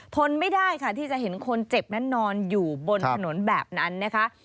ทนไม่ได้ค่ะที่จะเห็นคนเจ็บนั้นนอนอยู่บนถนนแบบนั้นนะคะ